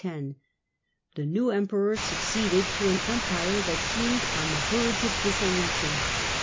The new Eniperor succeeded to an Empire that seemed on the verge of dissolution.